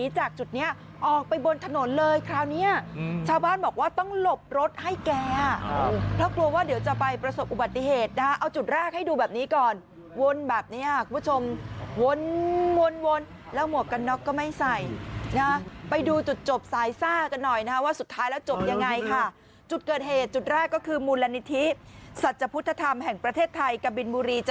จากจุดนี้ออกไปบนถนนเลยคราวนี้ชาวบ้านบอกว่าต้องหลบรถให้แกเพราะกลัวว่าเดี๋ยวจะไปประสบอุบัติเหตุนะเอาจุดแรกให้ดูแบบนี้ก่อนวนแบบนี้ค่ะคุณผู้ชมวนวนแล้วหมวกกันน็อกก็ไม่ใส่นะไปดูจุดจบสายซ่ากันหน่อยนะฮะว่าสุดท้ายแล้วจบยังไงค่ะจุดเกิดเหตุจุดแรกก็คือมูลนิธิสัจพุทธธรรมแห่งประเทศไทยกับบินบุรีจะ